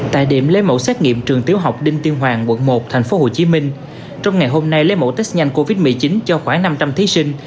tại điểm lấy mẫu xét nghiệm trường tiểu học đinh tiên hoàng quận một tp hcm trong ngày hôm nay lấy mẫu test nhanh covid một mươi chín cho khoảng năm trăm linh thí sinh